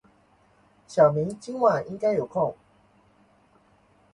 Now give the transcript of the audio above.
小明今晚应该有空。